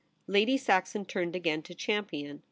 Lady Saxon turned again to Champion.